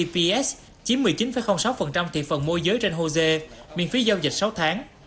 tức sáu thị phần mua giới trên hô dê miễn phí giao dịch sáu tháng